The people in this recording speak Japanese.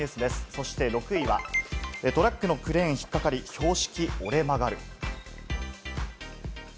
そして６位はトラックのクレーン引っかかり標識折れ曲がる。